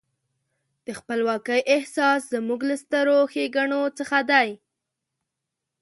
د خپلواکۍ احساس زموږ له سترو ښېګڼو څخه دی.